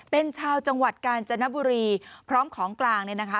เป็นชาวจังหวัดกาญจนบุรีพร้อมของกลางเนี่ยนะคะ